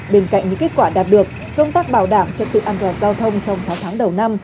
bên cạnh những kết quả đạt được công tác bảo đảm trật tự an toàn giao thông trong sáu tháng đầu năm